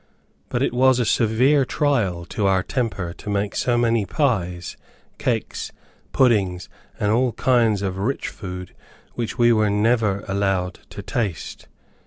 But it was a severe trial to our temper to make so many pies, cakes, puddings, and all kinds of rich food, which we were never allowed to taste.